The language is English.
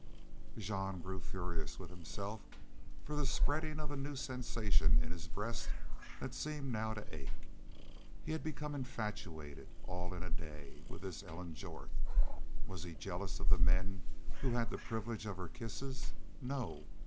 '" Jean grew furious with himself for the spreading of a new sensation in his breast that seemed now to ache. Had he become infatuated, all in a day, with this Ellen Jorth? Was he jealous of the men who had the privilege of her kisses? No!